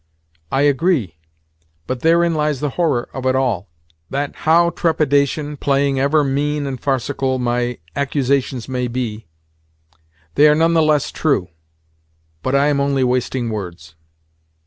"I agree. But therein lies the horror of it all—that, how trepidation, playing ever mean and farcical my accusations may be, they are none the less true. But I am only wasting words."